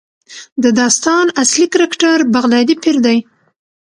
د داستان اصلي کرکټر بغدادي پیر دی.